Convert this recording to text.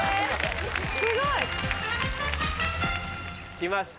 すごい。来ました。